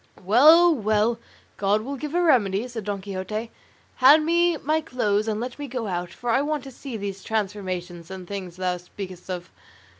"Well, well, God will give a remedy," said Don Quixote; "hand me my clothes and let me go out, for I want to see these transformations and things thou speakest of."